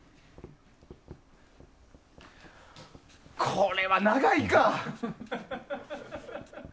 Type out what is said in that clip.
これは長いか。